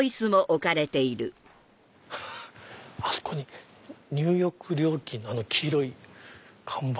あそこに入浴料金の黄色い看板。